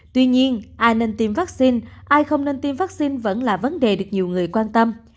tuy nhiên ai nên tiêm vaccine ai không nên tiêm vaccine vẫn là vấn đề được nhiều người quan tâm